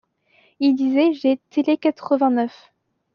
Il disait: J’ai tété quatre-vingt-neuf.